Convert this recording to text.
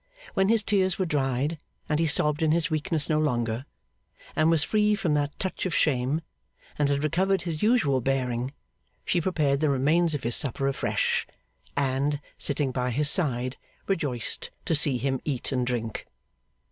When his tears were dried, and he sobbed in his weakness no longer, and was free from that touch of shame, and had recovered his usual bearing, she prepared the remains of his supper afresh, and, sitting by his side, rejoiced to see him eat and drink.